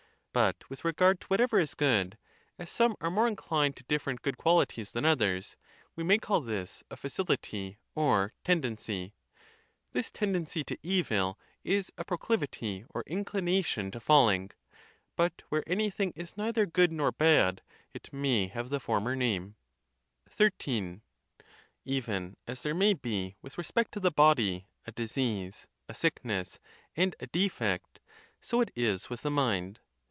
But with regard to whatever is good, as some are more inclined to different good qual ities than others, we may call this a facility or tendency: this tendency to evil is a proclivity or inclination to falling ; ON OTHER PERTURBATIONS OF THE MIND. 139 but where anything is neither good nor bad, it may have the former name. XIII. Even as there may be, with respect to the body, a disease, a sickness, and a defect, so it is with the mind.